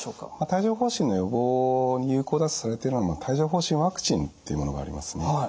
帯状ほう疹の予防に有効だとされているのは帯状ほう疹ワクチンっていうものがありますね。